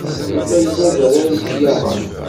Tufa lbaz ara tt-yaɣen.